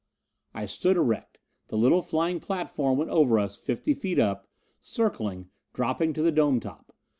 I stood erect. The little flying platform went over us, fifty feet up, circling, dropping to the dome top.